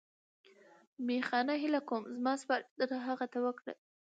میاخانه هیله کوم زما سپارښتنه هغه ته وکړه.